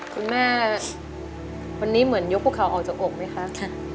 คุณแม่วันนี้เหมือนยกพวกเขาออกจากอกไหมคะ